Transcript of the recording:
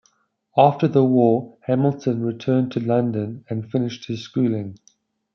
After the war, Hamilton returned to London and finished his schooling.